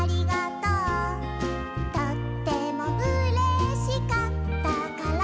「とってもうれしかったから」